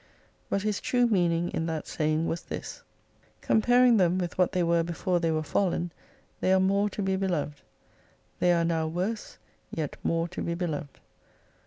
But his true meaning in that saying was this : Comparing them with what they were before they were fallen, they are more to be beloved. They are now worse, yet more to be beloved.